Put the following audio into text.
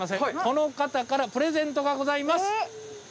この方からプレゼントがございます。